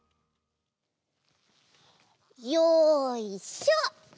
よいしょ！